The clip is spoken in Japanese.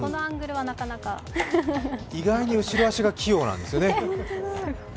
意外に後ろ足が器用なんですよね。